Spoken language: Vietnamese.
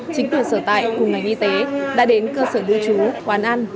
chính tuyển sở tại cùng ngành y tế đã đến cơ sở đưa chú quán ăn